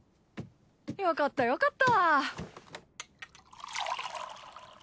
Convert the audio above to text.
よかったよかった。